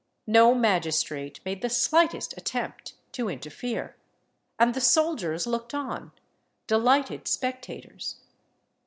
No magistrate made the slightest attempt to interfere; and the soldiers looked on, delighted spectators.